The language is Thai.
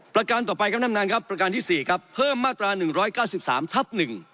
การต่อไปครับท่านประธานครับประการที่๔ครับเพิ่มมาตรา๑๙๓ทับ๑